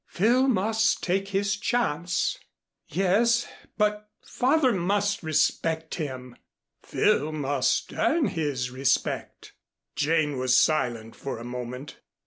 "Phil must take his chance." "Yes, but father must respect him." "Phil must earn his respect." Jane was silent for a moment.